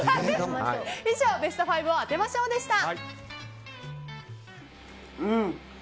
以上ベスト５を当てましょうでした。